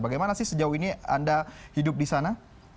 bagaimana sih sejauh ini anda hidup di sana